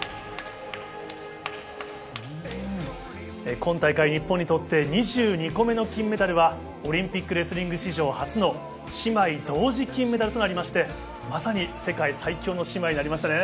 今大会、日本にとって２２個目の金メダルはオリンピックレスリング史上初の姉妹同時金メダルとなりましてまさに世界最強の姉妹になりましたね。